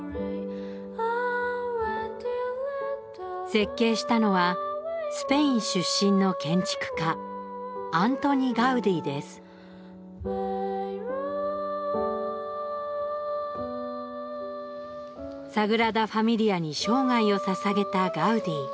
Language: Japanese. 設計したのはスペイン出身の建築家サグラダ・ファミリアに生涯をささげたガウディ。